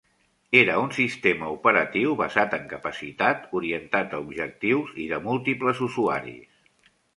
Era un sistema operatiu basat en capacitat, orientat a objectius i de múltiples usuaris.